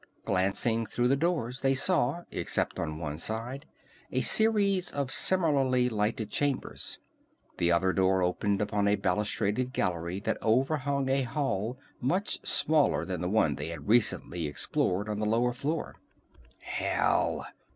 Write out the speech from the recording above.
Glancing through the doors they saw, except on one side, a series of similarly lighted chambers. This other door opened upon a balustraded gallery that overhung a hall much smaller than the one they had recently explored on the lower floor. "Hell!"